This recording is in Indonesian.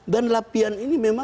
dan lapian ini memang